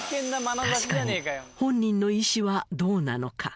確かに本人の意思はどうなのか？